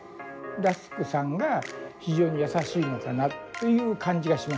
らすくさんが非常に優しいのかなという感じがしましたね。